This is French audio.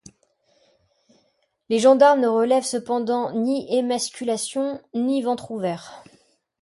Les gendarmes ne relèvent cependant ni émasculation, ni ventre ouvert.